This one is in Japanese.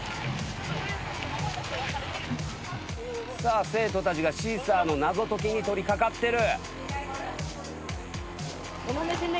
さあ生徒たちがシーサーの謎解きに取り掛かってる。